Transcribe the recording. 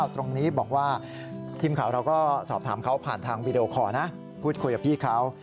ถามเขาผ่านทางวีดีโอคอร์นะพูดคุยกับพี่เขา